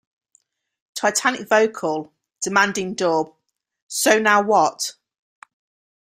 The "Titanic Vocal" and "Demanding Dub" include the "So now what?